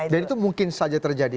dan itu mungkin saja terjadi